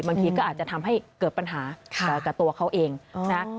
บางทีก็อาจจะทำให้เกิดปัญหากับตัวเขาเองนะ